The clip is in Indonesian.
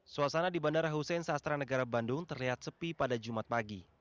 suasana di bandara hussein sastra negara bandung terlihat sepi pada jumat pagi